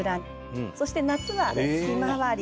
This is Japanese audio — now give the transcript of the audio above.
そして夏はひまわり。